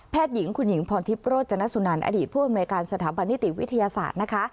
หญิงคุณหญิงพรทิพย์โรจนสุนันอดีตผู้อำนวยการสถาบันนิติวิทยาศาสตร์นะคะ